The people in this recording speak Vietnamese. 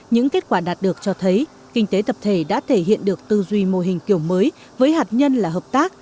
những kết quả đạt được cho thấy kinh tế tập thể đã thể hiện được tư duy mô hình kiểu mới với hạt nhân là hợp tác